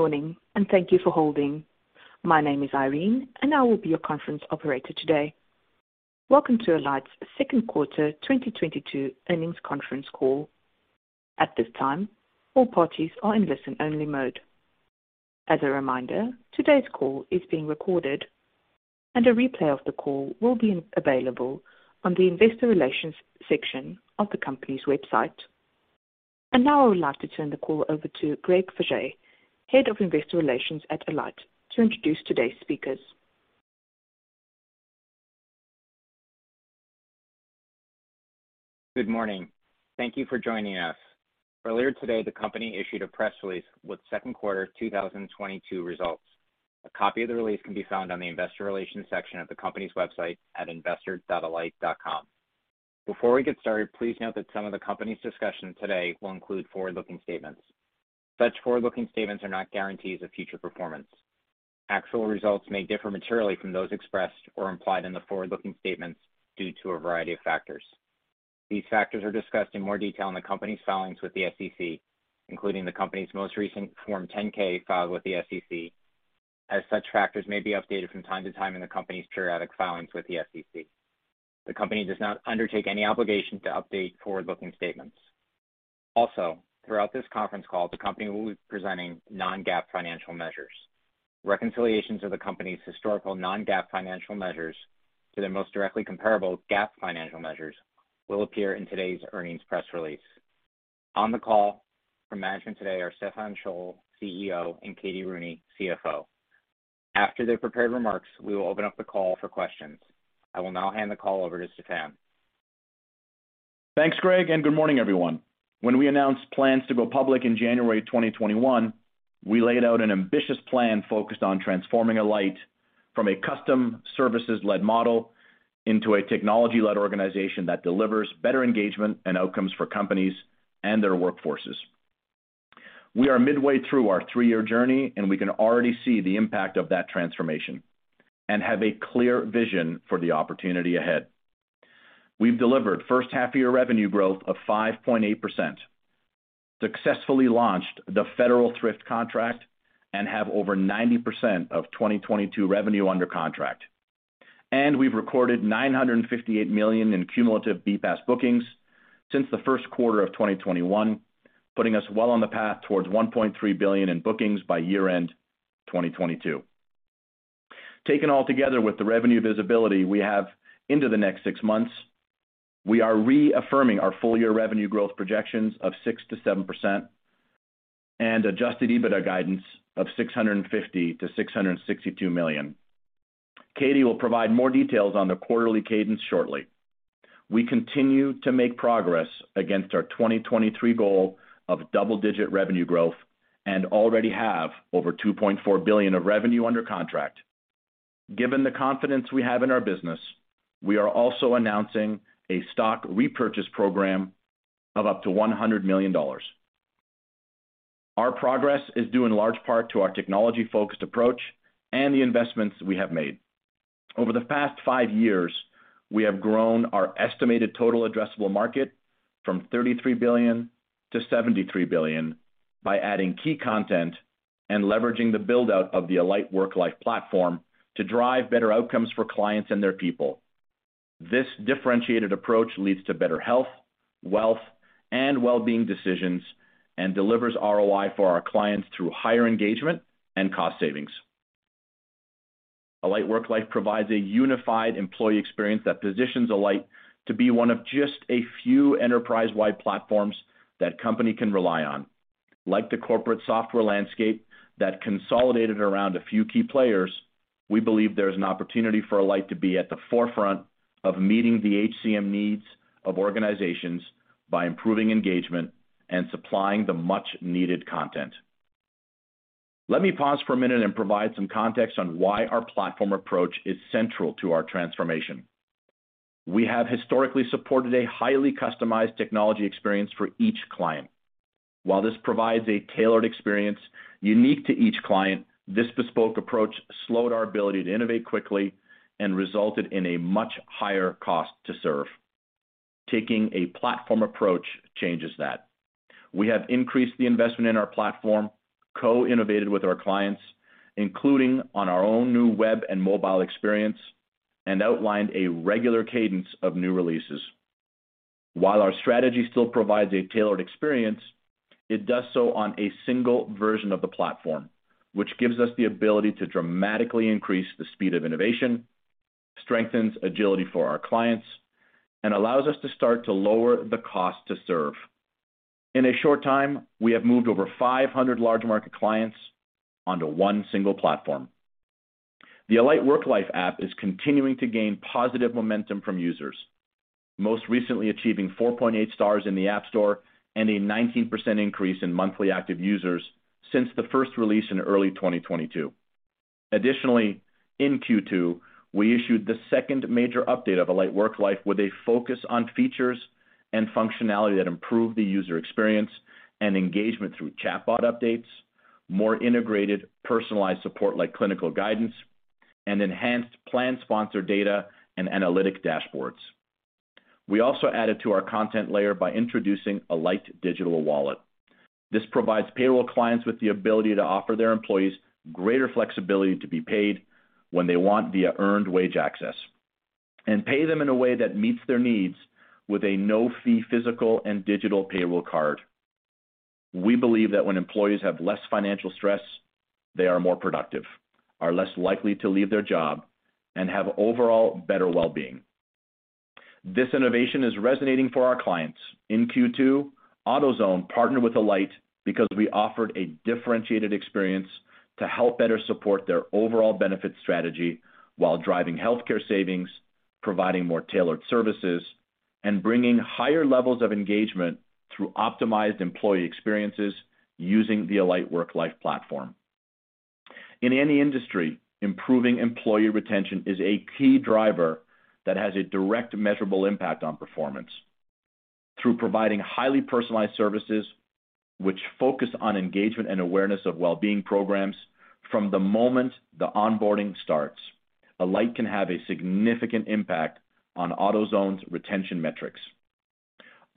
Good morning, and thank you for holding. My name is Irene, and I will be your conference operator today. Welcome to Alight's Second Quarter 2022 Earnings Conference Call. At this time, all parties are in listen-only mode. As a reminder, today's call is being recorded, and a replay of the call will be available on the investor relations section of the company's website. Now I would like to turn the call over to Greg Faje, Head of Investor Relations at Alight, to introduce today's speakers. Good morning. Thank you for joining us. Earlier today, the company issued a press release with second quarter 2022 results. A copy of the release can be found on the Investor Relations section of the company's website at investor.alight.com. Before we get started, please note that some of the company's discussion today will include forward-looking statements. Such forward-looking statements are not guarantees of future performance. Actual results may differ materially from those expressed or implied in the forward-looking statements due to a variety of factors. These factors are discussed in more detail in the company's filings with the SEC, including the company's most recent Form 10-K filed with the SEC, as such factors may be updated from time to time in the company's periodic filings with the SEC. The company does not undertake any obligation to update forward-looking statements. Also, throughout this conference call, the company will be presenting non-GAAP financial measures. Reconciliations of the company's historical non-GAAP financial measures to their most directly comparable GAAP financial measures will appear in today's earnings press release. On the call from management today are Stephan Scholl, CEO, and Katie Rooney, CFO. After their prepared remarks, we will open up the call for questions. I will now hand the call over to Stephan. Thanks, Greg, and good morning, everyone. When we announced plans to go public in January 2021, we laid out an ambitious plan focused on transforming Alight from a custom services-led model into a technology-led organization that delivers better engagement and outcomes for companies and their workforces. We are midway through our three-year journey, and we can already see the impact of that transformation and have a clear vision for the opportunity ahead. We've delivered first half-year revenue growth of 5.8%, successfully launched the Federal Thrift Contract, and have over 90% of 2022 revenue under contract. We've recorded $958 million in cumulative BPAS bookings since the first quarter of 2021, putting us well on the path towards $1.3 billion in bookings by year-end 2022. Taken all together with the revenue visibility we have into the next six months, we are reaffirming our full-year revenue growth projections of 6%-7% and Adjusted EBITDA guidance of $650 million-$662 million. Katie will provide more details on the quarterly cadence shortly. We continue to make progress against our 2023 goal of double-digit revenue growth and already have over $2.4 billion of revenue under contract. Given the confidence we have in our business, we are also announcing a stock repurchase program of up to $100 million. Our progress is due in large part to our technology-focused approach and the investments we have made. Over the past five years, we have grown our estimated total addressable market from $33 billion-$73 billion by adding key content and leveraging the build-out of the Alight Worklife platform to drive better outcomes for clients and their people. This differentiated approach leads to better health, wealth, and well-being decisions and delivers ROI for our clients through higher engagement and cost savings. Alight Worklife provides a unified employee experience that positions Alight to be one of just a few enterprise-wide platforms that company can rely on. Like the corporate software landscape that consolidated around a few key players, we believe there's an opportunity for Alight to be at the forefront of meeting the HCM needs of organizations by improving engagement and supplying the much-needed content. Let me pause for a minute and provide some context on why our platform approach is central to our transformation. We have historically supported a highly customized technology experience for each client. While this provides a tailored experience unique to each client, this bespoke approach slowed our ability to innovate quickly and resulted in a much higher cost to serve. Taking a platform approach changes that. We have increased the investment in our platform, co-innovated with our clients, including on our own new web and mobile experience, and outlined a regular cadence of new releases. While our strategy still provides a tailored experience, it does so on a single version of the platform, which gives us the ability to dramatically increase the speed of innovation, strengthens agility for our clients, and allows us to start to lower the cost to serve. In a short time, we have moved over 500 large market clients onto one single platform. The Alight Worklife app is continuing to gain positive momentum from users, most recently achieving 4.8 stars in the App Store and a 19% increase in monthly active users since the first release in early 2022. Additionally, in Q2, we issued the second major update of Alight Worklife with a focus on features and functionality that improve the user experience and engagement through chatbot updates, more integrated personalized support like clinical guidance, and enhanced plan sponsor data and analytic dashboards. We also added to our content layer by introducing Alight Digital Wallet. This provides payroll clients with the ability to offer their employees greater flexibility to be paid when they want via earned wage access, and pay them in a way that meets their needs with a no-fee physical and digital payroll card. We believe that when employees have less financial stress, they are more productive, are less likely to leave their job, and have overall better well-being. This innovation is resonating for our clients. In Q2, AutoZone partnered with Alight because we offered a differentiated experience to help better support their overall benefit strategy while driving healthcare savings, providing more tailored services, and bringing higher levels of engagement through optimized employee experiences using the Alight Worklife platform. In any industry, improving employee retention is a key driver that has a direct measurable impact on performance. Through providing highly personalized services which focus on engagement and awareness of well-being programs from the moment the onboarding starts, Alight can have a significant impact on AutoZone's retention metrics.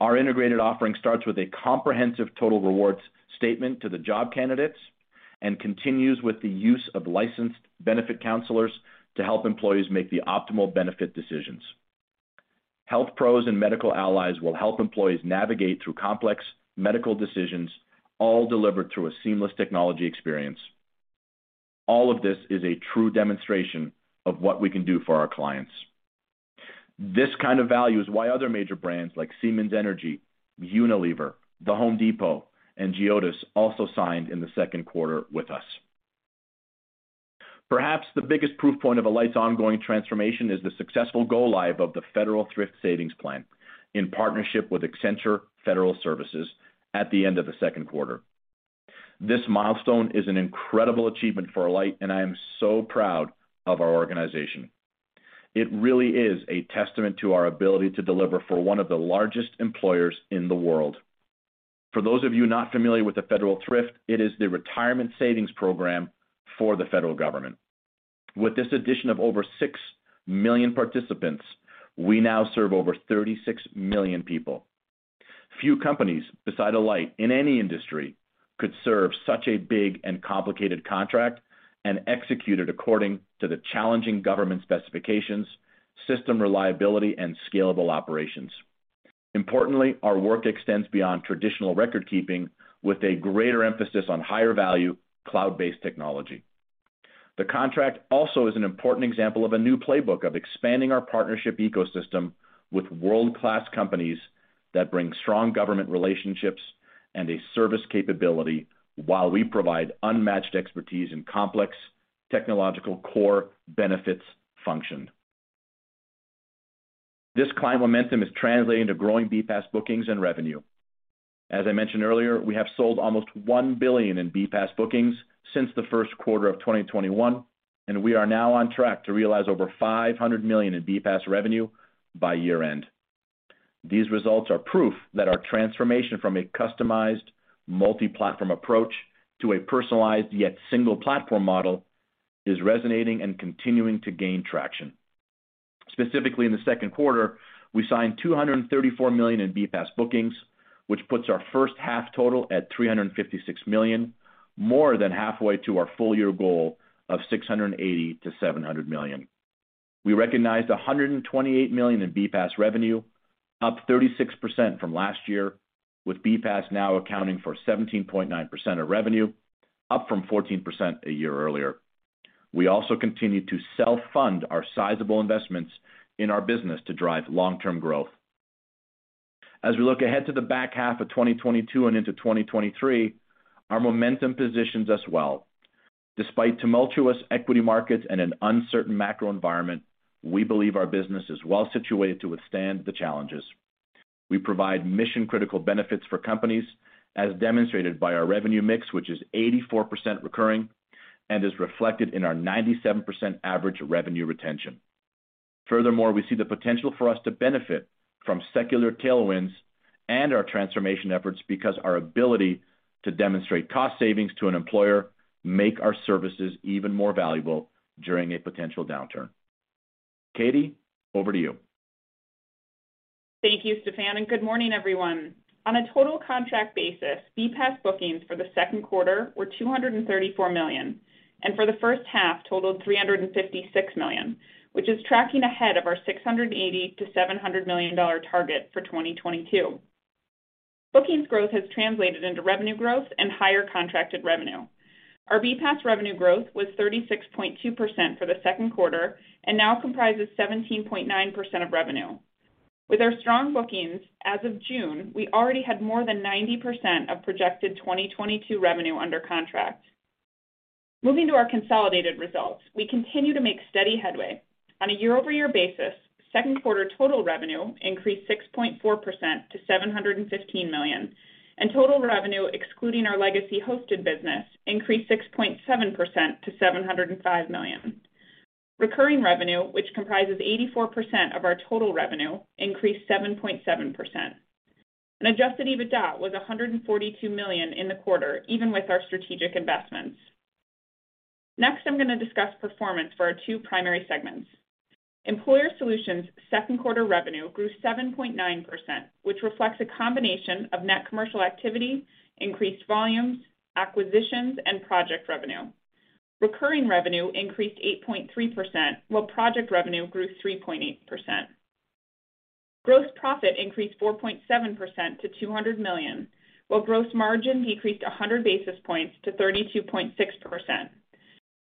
Our integrated offering starts with a comprehensive total rewards statement to the job candidates and continues with the use of licensed benefit counselors to help employees make the optimal benefit decisions. Health Pros and Medical Allies will help employees navigate through complex medical decisions, all delivered through a seamless technology experience. All of this is a true demonstration of what we can do for our clients. This kind of value is why other major brands like Siemens Energy, Unilever, The Home Depot, and GEODIS also signed in the second quarter with us. Perhaps the biggest proof point of Alight's ongoing transformation is the successful go live of the Federal Thrift Savings Plan in partnership with Accenture Federal Services at the end of the second quarter. This milestone is an incredible achievement for Alight, and I am so proud of our organization. It really is a testament to our ability to deliver for one of the largest employers in the world. For those of you not familiar with the Federal Thrift, it is the retirement savings program for the federal government. With this addition of over 6 million participants, we now serve over 36 million people. Few companies besides Alight in any industry could serve such a big and complicated contract and execute it according to the challenging government specifications, system reliability, and scalable operations. Importantly, our work extends beyond traditional record keeping with a greater emphasis on higher value cloud-based technology. The contract also is an important example of a new playbook of expanding our partnership ecosystem with world-class companies that bring strong government relationships and a service capability while we provide unmatched expertise in complex technological core benefits function. This client momentum is translating to growing BPAS bookings and revenue. As I mentioned earlier, we have sold almost $1 billion in BPAS bookings since the first quarter of 2021, and we are now on track to realize over $500 million in BPAS revenue by year-end. These results are proof that our transformation from a customized multi-platform approach to a personalized yet single platform model is resonating and continuing to gain traction. Specifically, in the second quarter, we signed $234 million in BPAS bookings, which puts our first half total at $356 million, more than halfway to our full year goal of $680 million-$700 million. We recognized $128 million in BPAS revenue, up 36% from last year, with BPAS now accounting for 17.9% of revenue, up from 14% a year earlier. We also continue to self-fund our sizable investments in our business to drive long-term growth. As we look ahead to the back half of 2022 and into 2023, our momentum positions us well. Despite tumultuous equity markets and an uncertain macro environment, we believe our business is well situated to withstand the challenges. We provide mission-critical benefits for companies, as demonstrated by our revenue mix, which is 84% recurring and is reflected in our 97% average revenue retention. Furthermore, we see the potential for us to benefit from secular tailwinds and our transformation efforts because our ability to demonstrate cost savings to an employer make our services even more valuable during a potential downturn. Katie, over to you. Thank you, Stephan, and good morning, everyone. On a total contract basis, BPAS bookings for the second quarter were $234 million, and for the first half totaled $356 million, which is tracking ahead of our $680 million-$700 million target for 2022. Bookings growth has translated into revenue growth and higher contracted revenue. Our BPAS revenue growth was 36.2% for the second quarter and now comprises 17.9% of revenue. With our strong bookings, as of June, we already had more than 90% of projected 2022 revenue under contract. Moving to our consolidated results, we continue to make steady headway. On a year-over-year basis, second quarter total revenue increased 6.4% to $715 million, and total revenue, excluding our legacy hosted business, increased 6.7% to $705 million. Recurring revenue, which comprises 84% of our total revenue, increased 7.7%. Adjusted EBITDA was $142 million in the quarter, even with our strategic investments. Next, I'm gonna discuss performance for our two primary segments. Employer Solutions second quarter revenue grew 7.9%, which reflects a combination of net commercial activity, increased volumes, acquisitions, and project revenue. Recurring revenue increased 8.3%, while project revenue grew 3.8%. Gross profit increased 4.7% to $200 million, while gross margin decreased 100 basis points to 32.6%.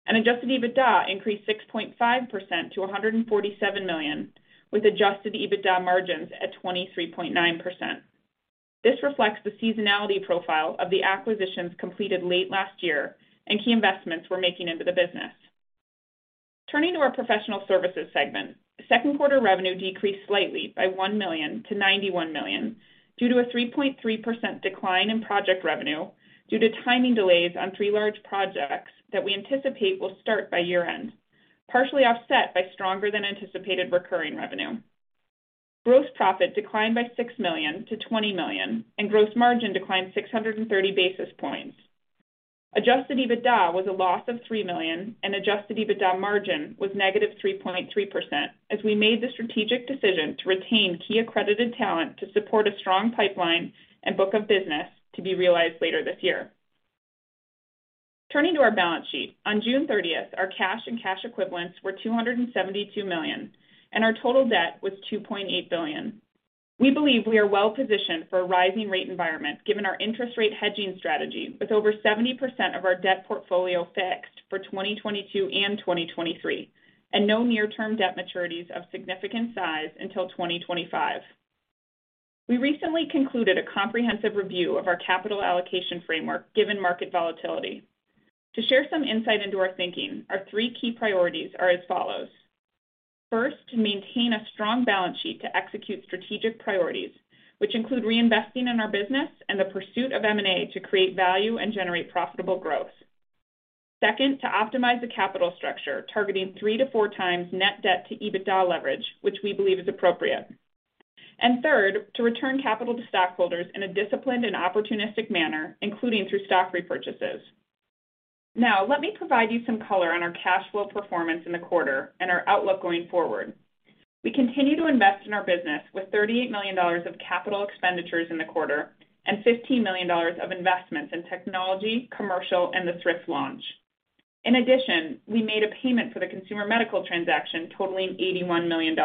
Adjusted EBITDA increased 6.5% to $147 million, with Adjusted EBITDA margins at 23.9%. This reflects the seasonality profile of the acquisitions completed late last year and key investments we're making into the business. Turning to our professional services segment. Second quarter revenue decreased slightly by $1 million to $91 million due to a 3.3% decline in project revenue due to timing delays on three large projects that we anticipate will start by year-end, partially offset by stronger than anticipated recurring revenue. Gross profit declined by $6 million to $20 million, and gross margin declined 630 basis points. Adjusted EBITDA was a loss of $3 million, and Adjusted EBITDA margin was -3.3%, as we made the strategic decision to retain key accredited talent to support a strong pipeline and book of business to be realized later this year. Turning to our balance sheet. On June 30th, our cash and cash equivalents were $272 million, and our total debt was $2.8 billion. We believe we are well positioned for a rising rate environment given our interest rate hedging strategy with over 70% of our debt portfolio fixed for 2022 and 2023, and no near-term debt maturities of significant size until 2025. We recently concluded a comprehensive review of our capital allocation framework given market volatility. To share some insight into our thinking, our three key priorities are as follows. First, to maintain a strong balance sheet to execute strategic priorities, which include reinvesting in our business and the pursuit of M&A to create value and generate profitable growth. Second, to optimize the capital structure, targeting 3x-4x net debt to EBITDA leverage, which we believe is appropriate. Third, to return capital to stockholders in a disciplined and opportunistic manner, including through stock repurchases. Now, let me provide you some color on our cash flow performance in the quarter and our outlook going forward. We continue to invest in our business with $38 million of capital expenditures in the quarter and $15 million of investments in technology, commercial, and the Thrift launch. In addition, we made a payment for the ConsumerMedical transaction totaling $81 million.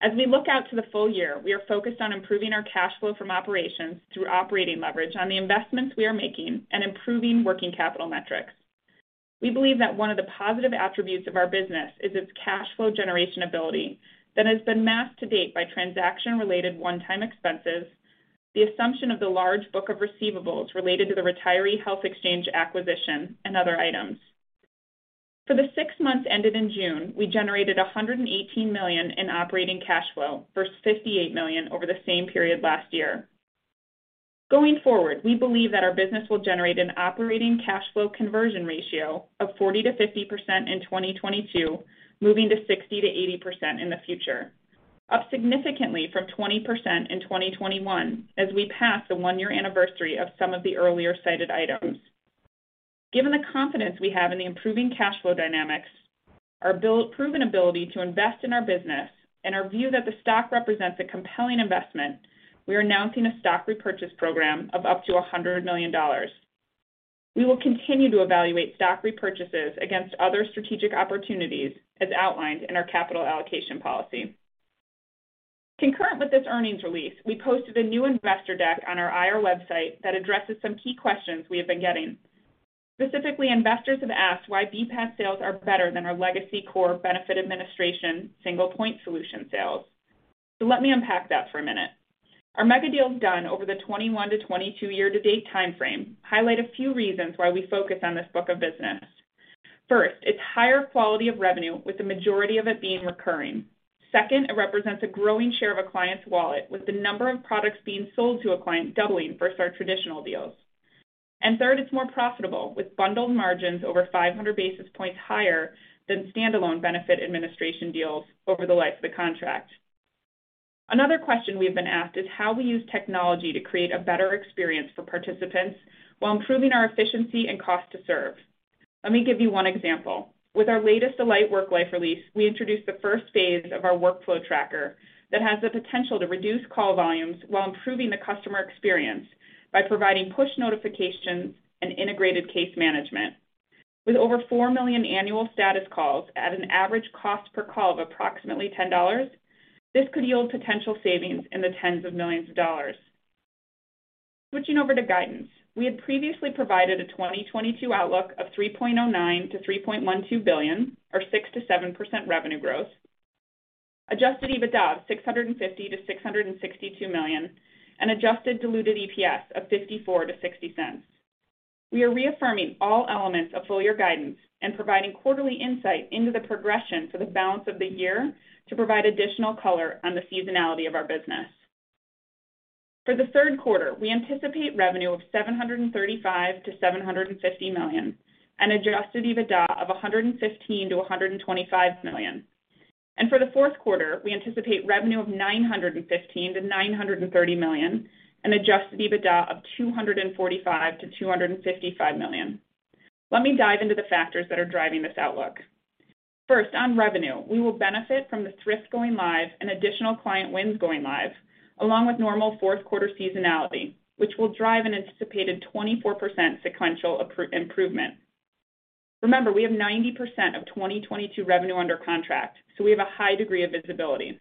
As we look out to the full year, we are focused on improving our cash flow from operations through operating leverage on the investments we are making and improving working capital metrics. We believe that one of the positive attributes of our business is its cash flow generation ability that has been masked to date by transaction-related one-time expenses, the assumption of the large book of receivables related to the retiree health exchange acquisition, and other items. For the six months ended in June, we generated $118 million in operating cash flow versus $58 million over the same period last year. Going forward, we believe that our business will generate an operating cash flow conversion ratio of 40%-50% in 2022, moving to 60%-80% in the future, up significantly from 20% in 2021 as we pass the one-year anniversary of some of the earlier cited items. Given the confidence we have in the improving cash flow dynamics, our proven ability to invest in our business, and our view that the stock represents a compelling investment, we are announcing a stock repurchase program of up to $100 million. We will continue to evaluate stock repurchases against other strategic opportunities as outlined in our capital allocation policy. Concurrent with this earnings release, we posted a new investor deck on our IR website that addresses some key questions we have been getting. Specifically, investors have asked why BPAS sales are better than our legacy core benefit administration single point solution sales. Let me unpack that for a minute. Our megadeals done over the 2021-2022 year-to-date time frame highlight a few reasons why we focus on this book of business. First, it's higher quality of revenue, with the majority of it being recurring. Second, it represents a growing share of a client's wallet, with the number of products being sold to a client doubling versus our traditional deals. Third, it's more profitable, with bundled margins over 500 basis points higher than stand-alone benefit administration deals over the life of the contract. Another question we have been asked is how we use technology to create a better experience for participants while improving our efficiency and cost to serve. Let me give you one example. With our latest Alight Worklife release, we introduced the first phase of our workflow tracker that has the potential to reduce call volumes while improving the customer experience by providing push notifications and integrated case management. With over 4 million annual status calls at an average cost per call of approximately $10, this could yield potential savings in the tens of millions of dollars. Switching over to guidance. We had previously provided a 2022 outlook of $3.09 billion-$3.12 billion or 6%-7% revenue growth, Adjusted EBITDA of $650 million-$662 million, and Adjusted Diluted EPS of $0.54-$0.60. We are reaffirming all elements of full year guidance and providing quarterly insight into the progression for the balance of the year to provide additional color on the seasonality of our business. For the third quarter, we anticipate revenue of $735 million-$750 million and Adjusted EBITDA of $115 million-$125 million. For the fourth quarter, we anticipate revenue of $915 million-$930 million and Adjusted EBITDA of $245 million-$255 million. Let me dive into the factors that are driving this outlook. First, on revenue, we will benefit from the thrift going live and additional client wins going live, along with normal fourth quarter seasonality, which will drive an anticipated 24% sequential improvement. Remember, we have 90% of 2022 revenue under contract, so we have a high degree of visibility.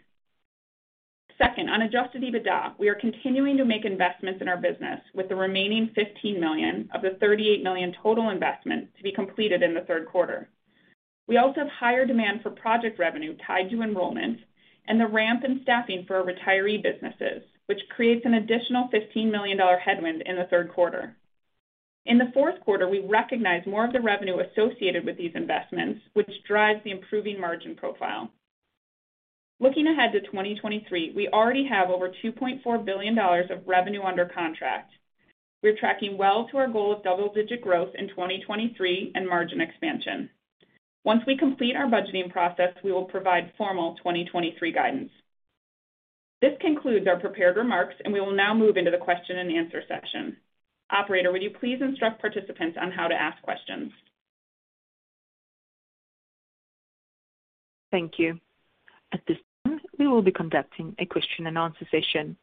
Second, on Adjusted EBITDA, we are continuing to make investments in our business with the remaining $15 million of the $38 million total investment to be completed in the third quarter. We also have higher demand for project revenue tied to enrollment and the ramp in staffing for our retiree businesses, which creates an additional $15 million headwind in the third quarter. In the fourth quarter, we recognize more of the revenue associated with these investments, which drives the improving margin profile. Looking ahead to 2023, we already have over $2.4 billion of revenue under contract. We're tracking well to our goal of double-digit growth in 2023 and margin expansion. Once we complete our budgeting process, we will provide formal 2023 guidance. This concludes our prepared remarks, and we will now move into the question and answer section. Operator, would you please instruct participants on how to ask questions? Thank you. At this time, we will be conducting a question and answer session.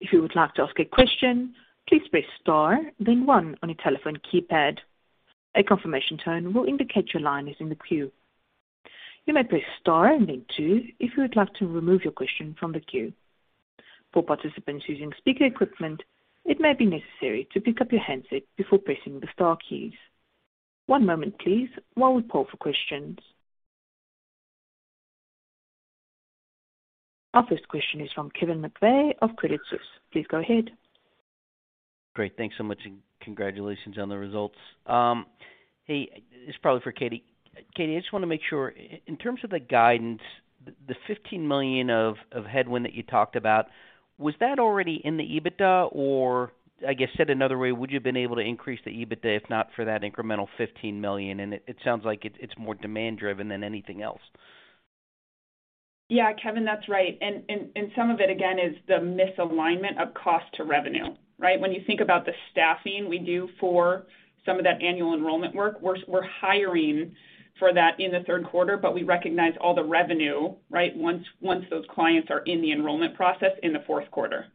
If you would like to ask a question, please press star then one on your telephone keypad. A confirmation tone will indicate your line is in the queue. You may press star then two if you would like to remove your question from the queue. For participants using speaker equipment, it may be necessary to pick up your handset before pressing the star keys. One moment please while we poll for questions. Our first question is from Kevin McVeigh of Credit Suisse. Please go ahead. Great. Thanks so much and congratulations on the results. Hey, this is probably for Katie. Katie, I just want to make sure. In terms of the guidance, the $15 million of headwind that you talked about, was that already in the EBITDA? Or I guess said another way, would you have been able to increase the EBITDA if not for that incremental $15 million? It sounds like it's more demand driven than anything else. Yeah, Kevin, that's right. Some of it again is the misalignment of cost to revenue, right? When you think about the staffing we do for some of that annual enrollment work, we're hiring for that in the third quarter, but we recognize all the revenue, right, once those clients are in the enrollment process in the fourth quarter.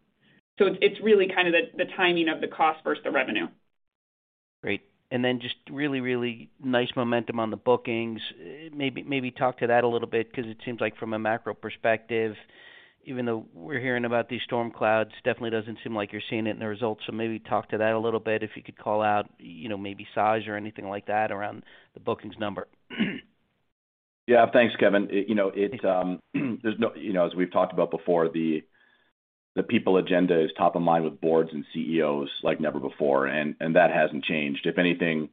It's really kind of the timing of the cost versus the revenue. Great. Just really, really nice momentum on the bookings. Maybe talk to that a little bit because it seems like from a macro perspective, even though we're hearing about these storm clouds, definitely doesn't seem like you're seeing it in the results. Maybe talk to that a little bit. If you could call out, you know, maybe size or anything like that around the bookings number. Yeah. Thanks, Kevin. You know, as we've talked about before, the people agenda is top of mind with boards and CEOs like never before, and that hasn't changed. If anything,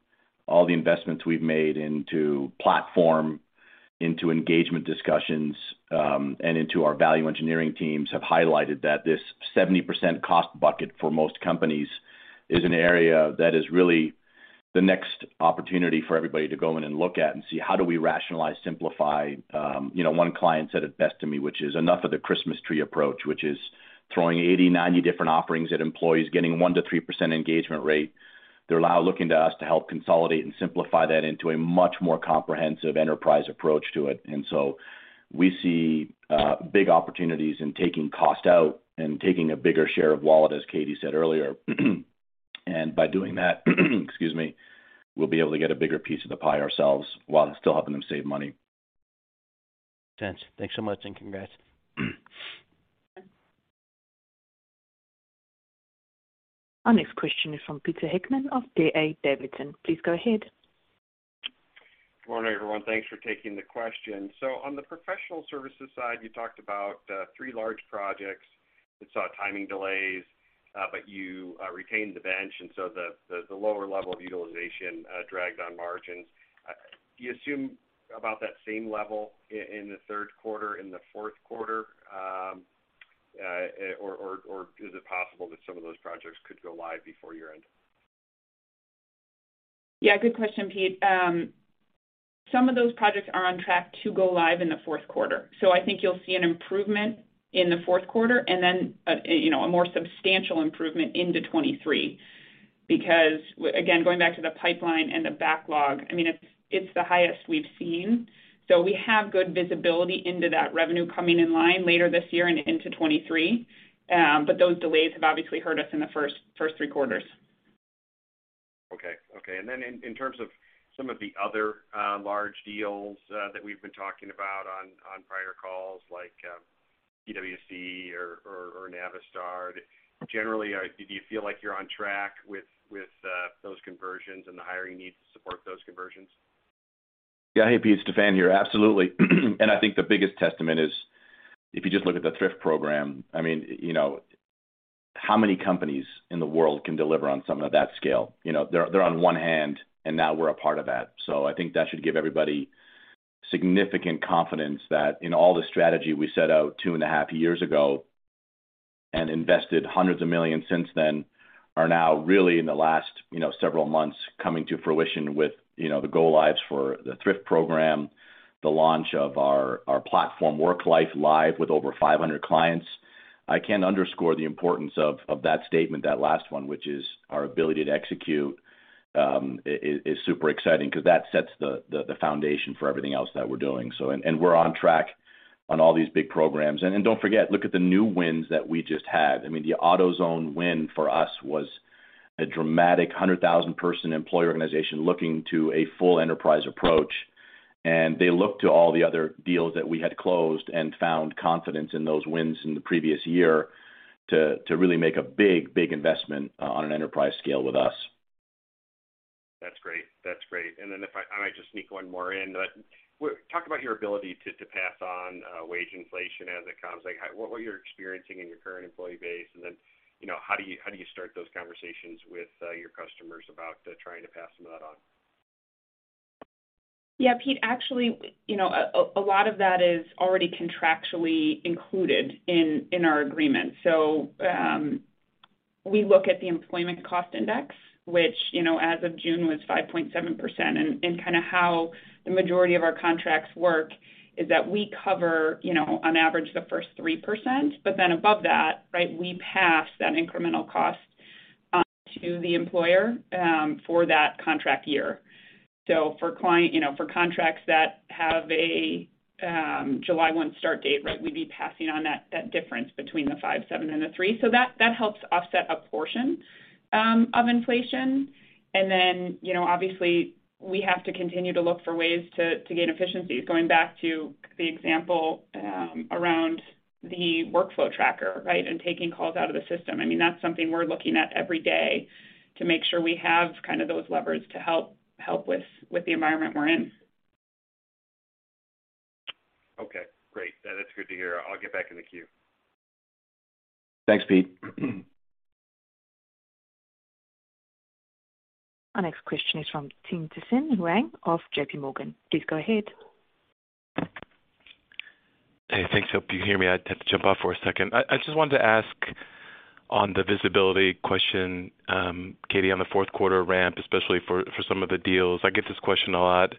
all the investments we've made into platform, into engagement discussions, and into our value engineering teams have highlighted that this 70% cost bucket for most companies is an area that is really the next opportunity for everybody to go in and look at and see how do we rationalize, simplify? You know, one client said it best to me, which is enough of the Christmas tree approach, which is throwing 80, 90 different offerings at employees, getting 1%-3% engagement rate. They're now looking to us to help consolidate and simplify that into a much more comprehensive enterprise approach to it. We see big opportunities in taking cost out and taking a bigger share of wallet, as Katie said earlier. By doing that, excuse me, we'll be able to get a bigger piece of the pie ourselves while still helping them save money. Thanks. Thanks so much and congrats. Our next question is from Peter Heckmann of D.A. Davidson. Please go ahead. Good morning, everyone. Thanks for taking the question. On the professional services side, you talked about three large projects that saw timing delays, but you retained the bench, and so the lower level of utilization dragged on margins. Do you assume about that same level in the third quarter, in the fourth quarter, or is it possible that some of those projects could go live before year-end? Yeah, good question, Pete. Some of those projects are on track to go live in the fourth quarter. I think you'll see an improvement in the fourth quarter and then a more substantial improvement into 2023. Again, going back to the pipeline and the backlog, I mean, it's the highest we've seen. We have good visibility into that revenue coming in line later this year and into 2023. Those delays have obviously hurt us in the first three quarters. In terms of some of the other large deals that we've been talking about on prior calls like PwC or Navistar, generally, do you feel like you're on track with those conversions and the hiring needs to support those conversions? Yeah. Hey, Pete. It's Stephan here. Absolutely. I think the biggest testament is if you just look at the thrift program. I mean, you know, how many companies in the world can deliver on something of that scale? You know, they're on one hand, and now we're a part of that. So I think that should give everybody significant confidence that in all the strategy we set out two and a half years ago and invested hundreds of millions since then are now really in the last, you know, several months coming to fruition with, you know, the go lives for the Thrift program, the launch of our platform Worklife live with over 500 clients. I can't underscore the importance of that statement, that last one, which is our ability to execute is super exciting because that sets the foundation for everything else that we're doing. We're on track on all these big programs. Don't forget, look at the new wins that we just had. I mean, the AutoZone win for us was a dramatic 100,000-person employer organization looking to a full enterprise approach. They looked to all the other deals that we had closed and found confidence in those wins in the previous year to really make a big investment on an enterprise scale with us. That's great. If I might just sneak one more in. But talk about your ability to pass on wage inflation as it comes. Like what you're experiencing in your current employee base, and then you know how do you start those conversations with your customers about trying to pass some of that on? Yeah, Pete, actually, you know, a lot of that is already contractually included in our agreement. We look at the Employment Cost Index, which, you know, as of June was 5.7%. Kinda how the majority of our contracts work is that we cover, you know, on average the first 3%, but then above that, right, we pass that incremental cost on to the employer for that contract year. For contracts that have a July 1 start date, right, we'd be passing on that difference between the 5.7% and the 3%. That helps offset a portion of inflation. Then, you know, obviously we have to continue to look for ways to gain efficiencies. Going back to the example, around the workflow tracker, right, and taking calls out of the system. I mean, that's something we're looking at every day to make sure we have kind of those levers to help with the environment we're in. Okay, great. That's good to hear. I'll get back in the queue. Thanks, Pete. Our next question is from Tien-Tsin Huang of J.P. Morgan. Please go ahead. Hey, thanks. Hope you can hear me. I had to jump off for a second. I just wanted to ask on the visibility question, Katie, on the fourth quarter ramp, especially for some of the deals. I get this question a lot.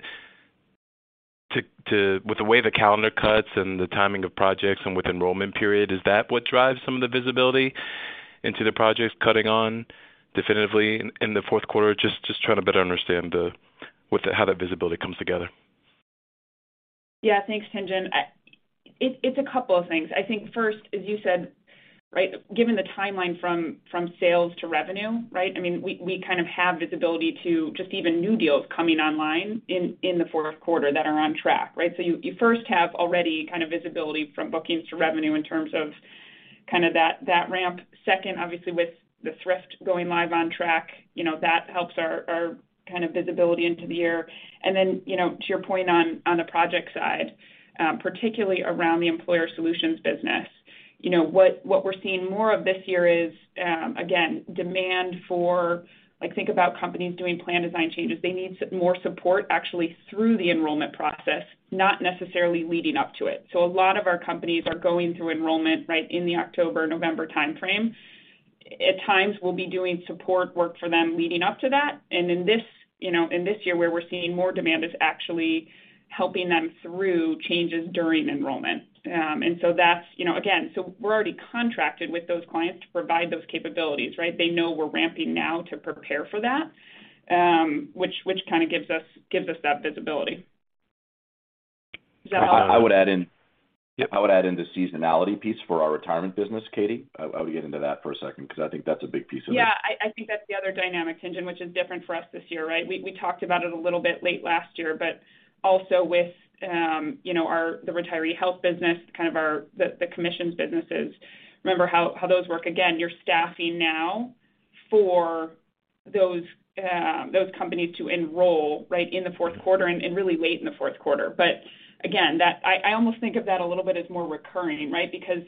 With the way the calendar cuts and the timing of projects and with enrollment period, is that what drives some of the visibility into the projects kicking on definitively in the fourth quarter? Just trying to better understand how that visibility comes together. Yeah, thanks, Tien-Tsin. It's a couple of things. I think first, as you said, right, given the timeline from sales to revenue, right? I mean, we kind of have visibility to just even new deals coming online in the fourth quarter that are on track, right? You first have already kind of visibility from bookings to revenue in terms of kind of that ramp. Second, obviously with the Federal Thrift Savings Plan going live on track, you know, that helps our kind of visibility into the year. Then, you know, to your point on the project side, particularly around the Employer Solutions business. You know, what we're seeing more of this year is, again, demand for like think about companies doing plan design changes. They need more support actually through the enrollment process, not necessarily leading up to it. A lot of our companies are going through enrollment right in the October, November timeframe. At times, we'll be doing support work for them leading up to that. In this year where we're seeing more demand is actually helping them through changes during enrollment. That's you know, again, so we're already contracted with those clients to provide those capabilities, right? They know we're ramping now to prepare for that, which kinda gives us that visibility. I would add in. Yep. I would add in the seasonality piece for our retirement business, Katie. I'll get into that for a second because I think that's a big piece of it. Yeah. I think that's the other dynamic, Tien-Tsin, which is different for us this year, right? We talked about it a little bit late last year, but also with, you know, our retiree health business, kind of our commissions businesses. Remember how those work. Again, you're staffing now for those companies to enroll, right, in the fourth quarter and really late in the fourth quarter. But again, that. I almost think of that a little bit as more recurring, right? Because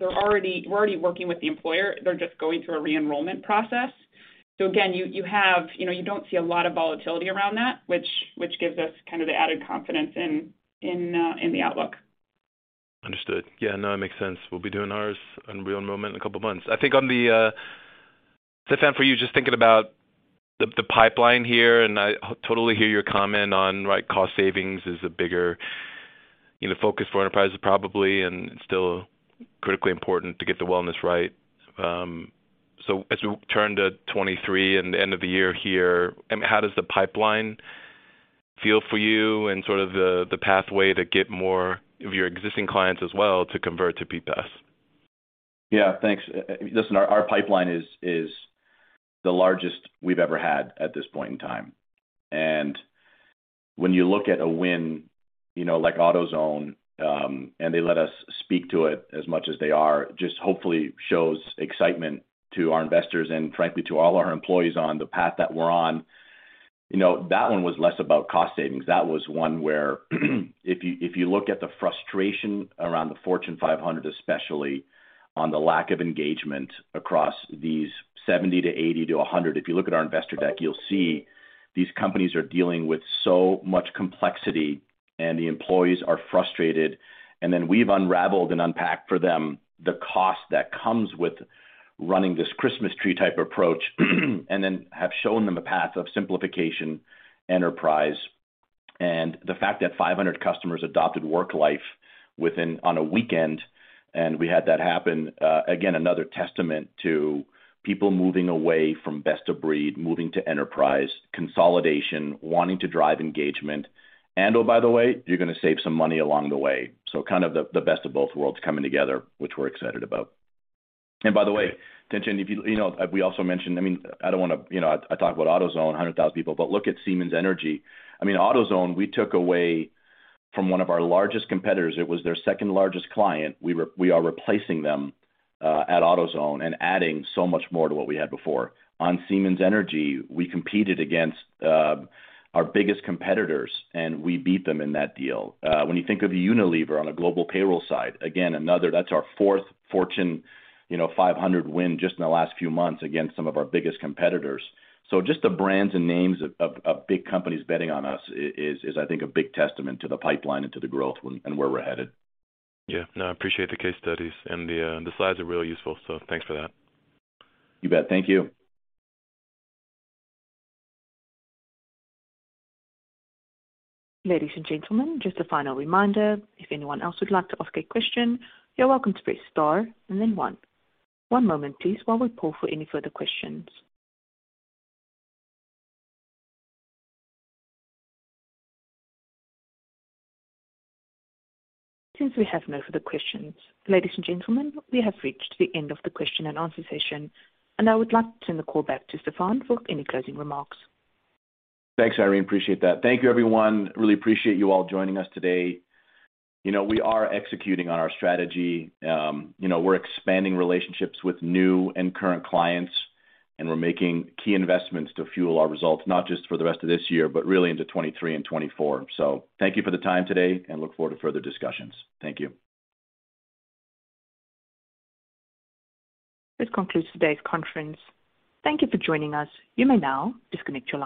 we're already working with the employer, they're just going through a re-enrollment process. Again, you have, you know, you don't see a lot of volatility around that, which gives us kind of the added confidence in the outlook. Understood. Yeah, no, it makes sense. We'll be doing ours in real moment in a couple of months. I think, Stephan, for you just thinking about the pipeline here, and I totally hear your comment on, right, cost savings is a bigger, you know, focus for enterprises probably, and still critically important to get the wellness right. As we turn to 2023 and the end of the year here, how does the pipeline feel for you and sort of the pathway to get more of your existing clients as well to convert to BPAS? Yeah, thanks. Listen, our pipeline is the largest we've ever had at this point in time. When you look at a win, you know, like AutoZone, and they let us speak to it as much as they are, just hopefully shows excitement to our investors and frankly, to all our employees on the path that we're on. You know, that one was less about cost savings. That was one where if you look at the frustration around the Fortune 500, especially on the lack of engagement across these 70 to 80 to 100. If you look at our investor deck, you'll see these companies are dealing with so much complexity. The employees are frustrated, and then we've unraveled and unpacked for them the cost that comes with running this Christmas tree type approach, and then have shown them a path of simplification enterprise. The fact that 500 customers adopted Worklife within one weekend, and we had that happen, again, another testament to people moving away from best of breed, moving to enterprise, consolidation, wanting to drive engagement. Oh, by the way, you're gonna save some money along the way. Kind of the best of both worlds coming together, which we're excited about. By the way, Tien-Tsin, if you know, we also mentioned. I mean, I don't wanna, you know, I talk about AutoZone, 100,000 people, but look at Siemens Energy. I mean, AutoZone, we took away from one of our largest competitors. It was their second-largest client. We are replacing them at AutoZone and adding so much more to what we had before. On Siemens Energy, we competed against our biggest competitors, and we beat them in that deal. When you think of Unilever on a global payroll side, again, another that's our fourth Fortune 500 win just in the last few months against some of our biggest competitors. Just the brands and names of big companies betting on us is I think a big testament to the pipeline and to the growth and where we're headed. Yeah. No, I appreciate the case studies and the slides are really useful, so thanks for that. You bet. Thank you. Ladies and gentlemen, just a final reminder, if anyone else would like to ask a question, you're welcome to press star and then one. One moment please while we poll for any further questions. Since we have no further questions, ladies and gentlemen, we have reached the end of the question and answer session, and I would like to turn the call back to Stephan for any closing remarks. Thanks, Irene. Appreciate that. Thank you, everyone. Really appreciate you all joining us today. You know, we are executing on our strategy. You know, we're expanding relationships with new and current clients, and we're making key investments to fuel our results, not just for the rest of this year, but really into 2023 and 2024. Thank you for the time today and look forward to further discussions. Thank you. This concludes today's conference. Thank you for joining us. You may now disconnect your lines.